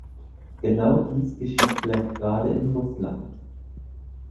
Genau dies geschieht vielleicht gerade in Russland.